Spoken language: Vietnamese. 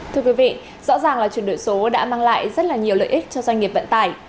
thưa quý vị rõ ràng là chuyển đổi số đã mang lại rất là nhiều lợi ích cho doanh nghiệp vận tải